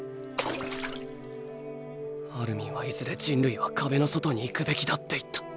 アルミンはいずれ人類は壁の外に行くべきだって言った。